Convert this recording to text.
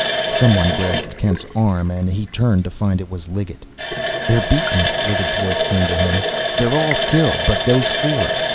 Someone grasped Kent's arm, and he turned to find it was Liggett. "They're beaten!" Liggett's voice came to him! "They're all killed but those four!"